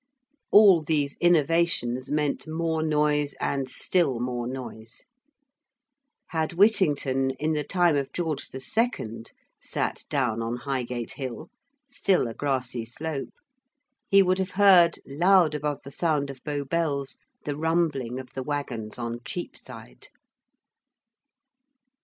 All these innovations meant more noise and still more noise. Had Whittington, in the time of George II., sat down on Highgate Hill (still a grassy slope), he would have heard, loud above the sound of Bow Bells, the rumbling of the waggons on Cheapside.